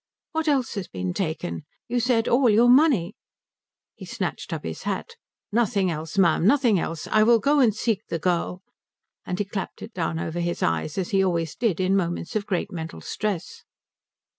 What else has been taken? You said all your money " He snatched up his hat. "Nothing else, ma'am, nothing else. I will go and seek the girl." And he clapped it down over his eyes as he always did in moments of great mental stress.